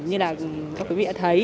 như là các quý vị đã thấy